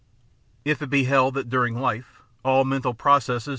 If it be held that during life "all mental processes have their *J.